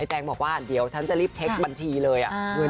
แตงบอกว่าเดี๋ยวฉันจะรีบเช็คบัญชีเลย